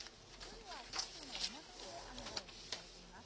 夜は関東の山沿いで雨が予想されています。